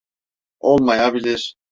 Olmayabilir.